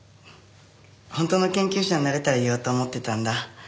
本当の研究者になれたら言おうと思ってたんだ。